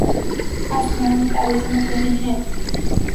آسمان میں تارے چمک رہے ہیں